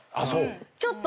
ちょっと。